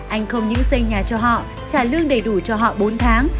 anh không những xây nhà cho họ trả lương đầy đủ cho họ bốn tháng